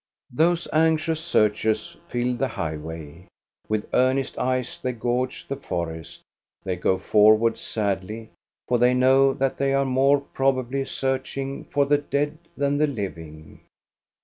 Those anxious searchers fill the highway. With earnest eyes they gauge the forest ; they go forward sadly, for they know that they are more probably searching for the dead than the living.